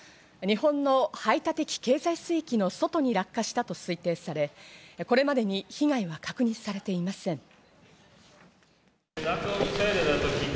日本の排他的経済水域の外に落下したと推定され、これまでに被害は確認されていません。